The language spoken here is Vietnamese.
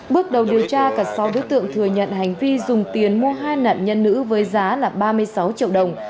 bước đầu điều tra cả sáu đối tượng thừa nhận hành vi dùng tiền mua hai nạn nhân nữ với giá là ba mươi sáu triệu đồng